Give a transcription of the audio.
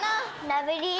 ラブリー。